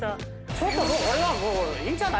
ちょっともうこれはいいんじゃない？